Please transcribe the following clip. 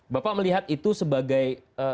bapak melihat itu sebagai